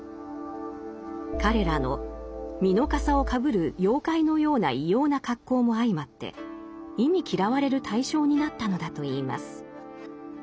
彼らの「蓑笠をかぶる妖怪のような異様な恰好」も相まって忌み嫌われる対象になったのだといいます。